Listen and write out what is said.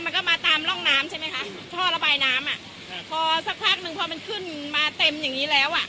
มันก็มาตามร่องน้ำใช่ไหมคะท่อระบายน้ำอ่ะพอสักพักหนึ่งพอมันขึ้นมาเต็มอย่างงี้แล้วอ่ะ